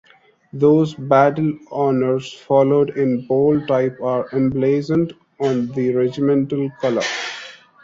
Those battle honours followed in bold type are emblazoned on the regimental colour.